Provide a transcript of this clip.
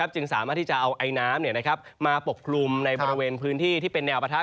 จึงสามารถที่จะเอาไอน้ำมาปกคลุมในบริเวณพื้นที่ที่เป็นแนวปะทะ